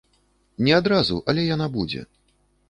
Не адразу, але яна будзе.